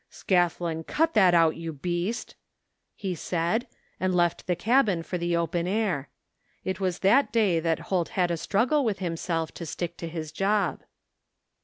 " Scathlin, cut that out, you beast !" he said, and left the cabin for the open air. It was that day that Holt had a struggle with himself to stick to his job.